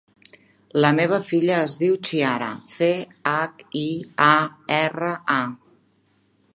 La meva filla es diu Chiara: ce, hac, i, a, erra, a.